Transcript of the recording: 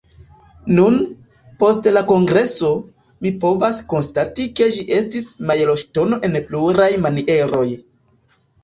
Nun, post la kongreso, mi povas konstati ke ĝi estis mejloŝtono en pluraj manieroj.